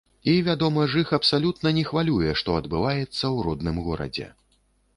І, вядома ж, іх абсалютна не хвалюе, што адбываецца ў родным горадзе.